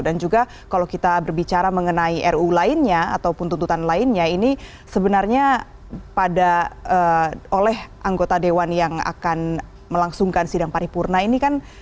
dan juga kalau kita berbicara mengenai ruu lainnya ataupun tuntutan lainnya ini sebenarnya pada oleh anggota dewan yang akan melangsungkan sidang paripurna ini kan